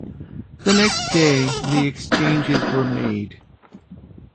The next day the exchanges were made.